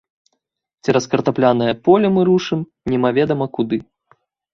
Цераз картаплянае поле мы рушым немаведама куды.